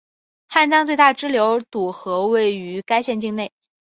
汉江最大支流堵河位于该县境内。